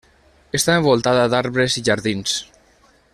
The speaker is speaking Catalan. Està envoltada d'arbres i jardins.